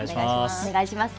お願いします。